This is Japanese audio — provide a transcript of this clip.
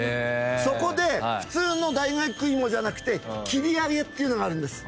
そこで普通の大学いもじゃなくて切揚っていうのがあるんです。